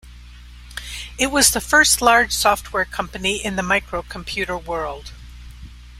It was the first large software company in the microcomputer world.